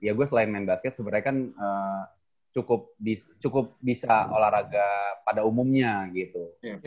ya gue selain main basket sebenarnya kan cukup bisa olahraga pada umumnya gitu